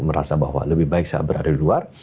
merasa bahwa lebih baik saya berada di luar